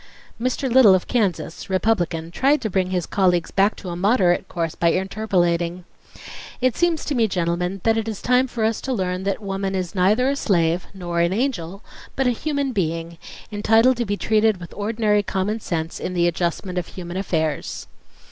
Mr. Little of Kansas, Republican, tried to bring his colleagues back to a moderate course by interpolating: "It seems to me, gentlemen, that it is time for us to learn that woman is neither a slave nor an angel, but a human being, entitled to be treated with ordinary common sense in the adjustment of human affairs